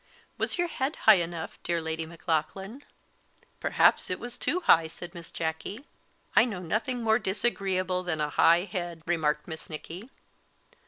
"Was your head high enough, dear Lady Maclaughlan?" "Perhaps it was too high," said Miss Jacky. "I know nothing more disagreeable than a high head," remarked Miss Nicky.